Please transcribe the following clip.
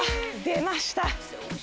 出ました。